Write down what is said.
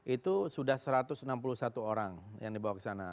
itu sudah satu ratus enam puluh satu orang yang dibawa ke sana